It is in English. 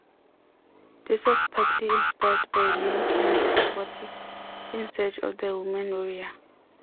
This was partly inspired by Lane and Worth's "In Search of the Woman Warrior".